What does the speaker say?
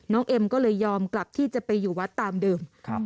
เอ็มก็เลยยอมกลับที่จะไปอยู่วัดตามเดิมครับ